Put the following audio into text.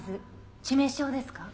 致命傷ですか？